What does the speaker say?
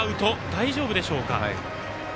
大丈夫でしょうか。